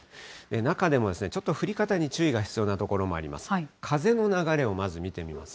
中でもちょっと降り方に注意が必要な所もあります。